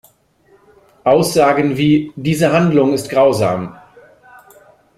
Aussagen wie "Diese Handlung ist grausam!